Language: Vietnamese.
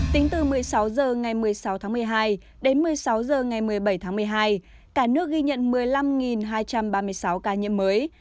tính từ một mươi sáu h ngày một mươi sáu tháng một mươi hai đến một mươi sáu h ngày một mươi bảy tháng một mươi hai cả nước ghi nhận một mươi năm hai trăm ba mươi sáu ca nhiễm mới